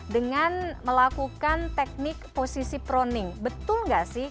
dengan melakukan teknik posisi proning betul nggak sih